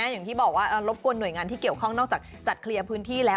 อย่างที่บอกว่ารบกวนหน่วยงานที่เกี่ยวข้องนอกจากจัดเคลียร์พื้นที่แล้ว